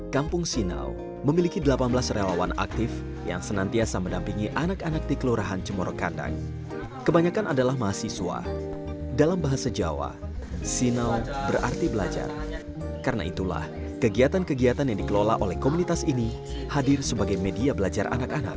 kampung sinaw memiliki delapan belas relawan aktif yang senantiasa mendampingi anak anak di kelurahan cemorokandang kebanyakan adalah mahasiswa dalam bahasa jawa sinaw berarti belajar karena itulah kegiatan kegiatan yang dikelola oleh komunitas ini hadir sebagai media belajar anak anak